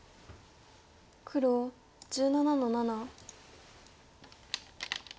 黒１７の七。